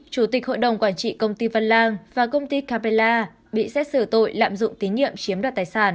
chủ tịch hội đồng quản trị công ty văn lang và công ty capella bị xét xử tội lạm dụng tín nhiệm chiếm đoạt tài sản